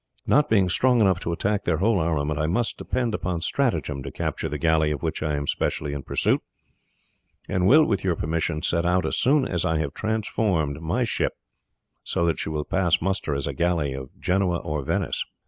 Not being strong enough to attack their whole armament I must depend upon stratagem to capture the galley of which I am specially in pursuit, and will with your permission set out as soon as I have transformed my ship so that she will pass muster as a galley of Genoa or Venice."